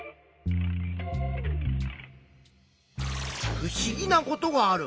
ふしぎなことがある。